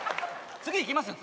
次いきますよ